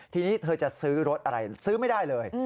ทีนี้เธอจะซื้อรถอะไรซื้อไม่ได้เลย